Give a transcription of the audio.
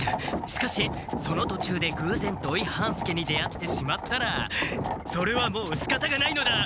しかしそのとちゅうでぐうぜん土井半助に出会ってしまったらそれはもうしかたがないのだ！